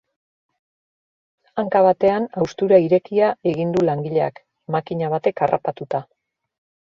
Hanka batean haustura irekia egin du langileak, makina batek harrapatuta.